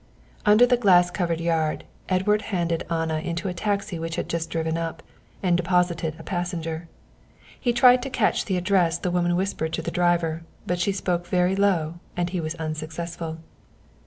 Under the glass covered yard Edward handed Anna into a taxi which had just driven up and deposited a passenger. He tried to catch the address the woman whispered to the driver, but she spoke very low and he was unsuccessful.